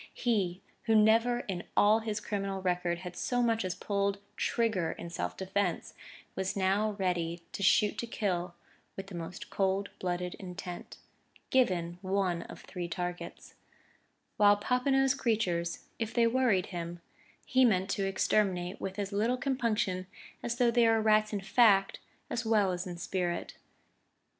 He who never in all his criminal record had so much as pulled trigger in self defence, was ready now to shoot to kill with the most cold blooded intent given one of three targets; while Popinot's creatures, if they worried him, he meant to exterminate with as little compunction as though they were rats in fact as well as in spirit....